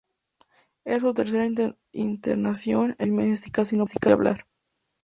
Era su tercera internación en menos de seis meses y casi no podía hablar.